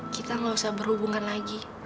kita gak usah berhubungan lagi